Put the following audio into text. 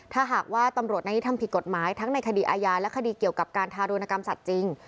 ถ้าหากว่าตำรวจในนี้ทำผิดกฎหมายทั้งในคดีอาญาและคดีเกี่ยวกับการทารุณกรรมสัตว์จริง